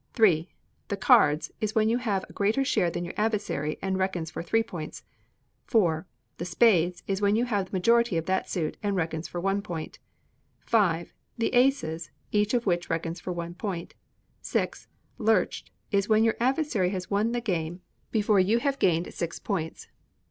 iii. The Cards is when you have a greater share than your adversary, and reckons for three points. iv. The Spades is when you have the majority of that suit, and reckons for one point. v. The Aces: each of which reckons for one point. vi. Lurched is when your adversary has won the game before you have gained six points.